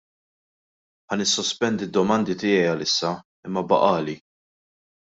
Ħa nissospendi d-domandi tiegħi għalissa, imma baqagħli.